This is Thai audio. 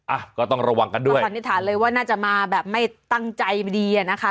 อ่ะก็ต้องระวังกันด้วยสันนิษฐานเลยว่าน่าจะมาแบบไม่ตั้งใจดีอ่ะนะคะ